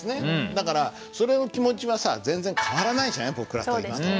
だからそれの気持ちはさ全然変わらないじゃない僕らと今と。